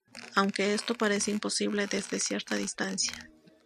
Aunque esto parece imposible desde cierta distancia.